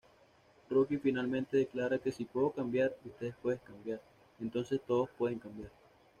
Rocky finalmente declara que, "Si puedo cambiar, ustedes pueden cambiar, entonces todos pueden cambiar!